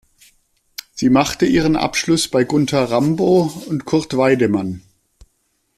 Sie machte ihren Abschluss bei Gunter Rambow und Kurt Weidemann.